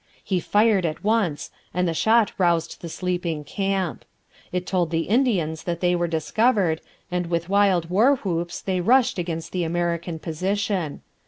He fired at once, and the shot roused the sleeping camp. It told the Indians that they were discovered, and with wild war whoops they rushed against the American position.